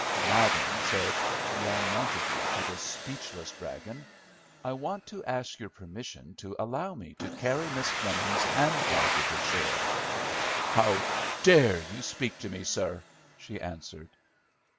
"Madam," said young Montague to the speechless 'dragon,' "I want to ask your permission to allow me to carry Miss Fleming's hand baggage ashore." "How dare you speak to me, sir?" she answered.